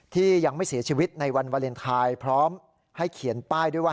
ที่ยังไม่เสียชีวิตในวันวาเลนไทยพร้อมให้เขียนป้ายด้วยว่า